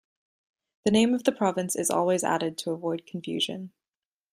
The name of the province is always added to avoid confusion.